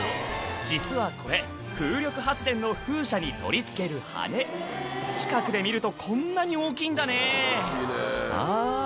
実はこれ風力発電の風車に取り付ける羽根近くで見るとこんなに大きいんだねあぁ